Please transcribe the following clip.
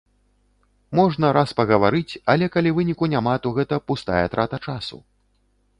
Можна раз пагаварыць, але калі выніку няма, то гэта пустая трата часу.